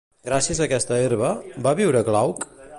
Gràcies a aquesta herba, va viure Glauc?